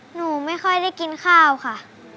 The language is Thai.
หนูไม่ค่อยได้กินข้าวค่ะ